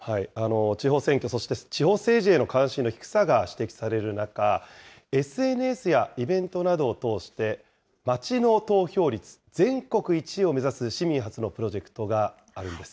地方選挙、そして地方政治への関心の低さが指摘される中、ＳＮＳやイベントなどを通して、街の投票率全国１位を目指す市民発のプロジェクトがあるんです。